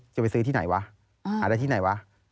จะไปซื้อที่ไหนวะหาได้ที่ไหนวะ